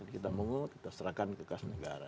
kita mau kita serahkan kekas negara